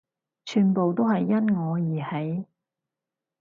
全部都係因我而起